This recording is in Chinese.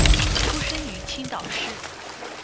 出生于青岛市。